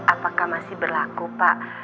apakah masih berlaku pak